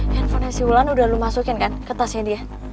handphonenya si ulan udah lo masukin kan ke tasnya dia